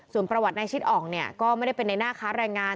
ส่วนประวัติในชิดอ่องเนี่ยก็ไม่ได้เป็นในหน้าค้าแรงงาน